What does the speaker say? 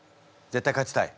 絶対勝ちたい？